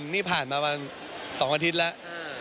นี่ผ่านมาประมาณ๒อาทิตย์แล้ว